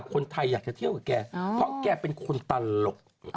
คนไทยอยากจะเที่ยวกับแกเพราะแกเป็นคนตลก